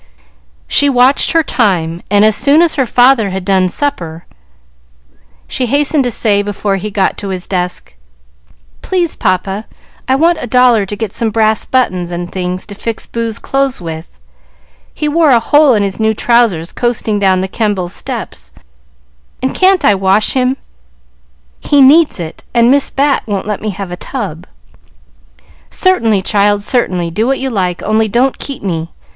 She watched her time, and as soon as her father had done supper, she hastened to say, before he got to his desk, "Please, papa, I want a dollar to get some brass buttons and things to fix Boo's clothes with. He wore a hole in his new trousers coasting down the Kembles' steps. And can't I wash him? He needs it, and Miss Bat won't let me have a tub." "Certainly, child, certainly; do what you like, only don't keep me.